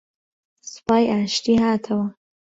سوپای ئاشتی هاتەوە